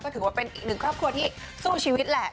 ถือว่าเป็นอีกหนึ่งครอบครัวที่สู้ชีวิตแหละ